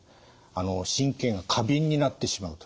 神経が過敏になってしまうと。